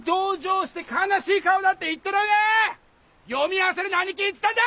読み合わせで何聞いてたんだ！